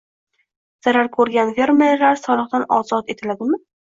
Zarar ko‘rgan fermerlar soliqdan ozod etiladimi?ng